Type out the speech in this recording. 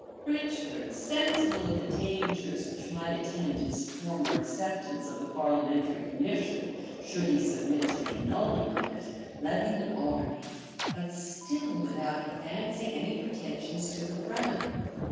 {1455.} Richard, sensible of the dangers which might attend his former acceptance of the parliamentary commission, should he submit to the annulling of it, levied an army; but still without advancing any pretensions to the crown.